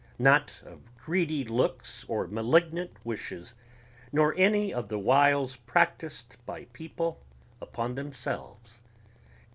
not of greedy looks or malignant wishes ... nor any of the wiles practised by people upon themselves